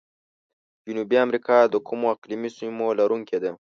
جنوبي امریکا د کومو اقلیمي سیمو لرونکي ده؟